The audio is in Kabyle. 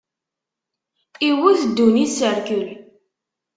Iwwet ddunit s rrkel.